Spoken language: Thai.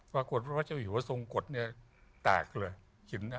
ปรากฏพระเจ้าหิวรับสมบูรณ์กดเนี่ยแตกเลยหินเนี่ย